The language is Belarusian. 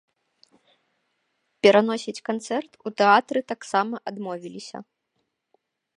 Пераносіць канцэрт у тэатры таксама адмовіліся.